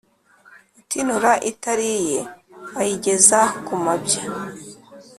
Utinura itari iye ayigeza ku mabya